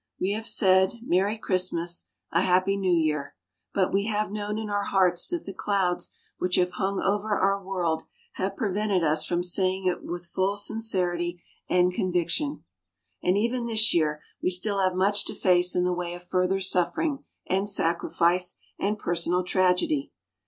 We have said, "Merry Christmas a Happy New Year," but we have known in our hearts that the clouds which have hung over our world have prevented us from saying it with full sincerity and conviction. And even this year, we still have much to face in the way of further suffering, and sacrifice, and personal tragedy.